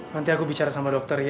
nanti aku bicara sama dokter ya